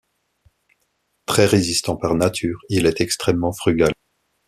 Très résistant par nature, il est extrêmement frugal.